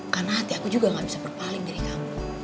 karena hati aku juga gak bisa berpaling dari kamu